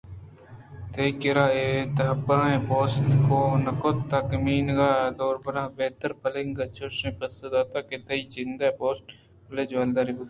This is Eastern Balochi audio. تئی کرّا اے دابیں پوست گوٛہ نہ کنت کہ منیگ ءِ درور بہ بیتروباہ ءَ پُلنگ ءَ را چُش پسّہ پِرگردینت تئی جان ءِ پوست بِلّے جلواہدار ءُ برٛاہناکیں